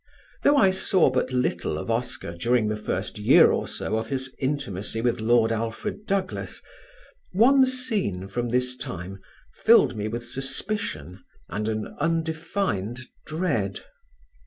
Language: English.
Though I saw but little of Oscar during the first year or so of his intimacy with Lord Alfred Douglas, one scene from this time filled me with suspicion and an undefined dread.